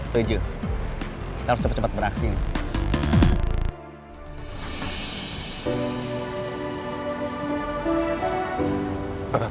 setuju kita harus cepet cepet beraksi nih